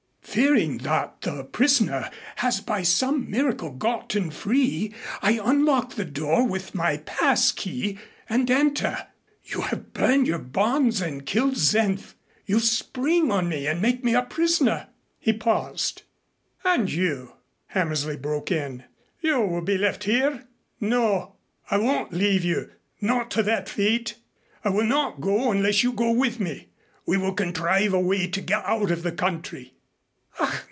Fearing that the prisoner has by some miracle gotten free, I unlock the door with my pass key and enter. You have burned your bonds and killed Senf. You spring on me and make me a prisoner " He paused. "And you " Hammersley broke in. "You will be left here? No, I won't leave you not to that fate. I will not go unless you go with me. We will contrive a way to get out of the country."